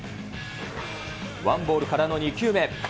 ワンボールからの２球目。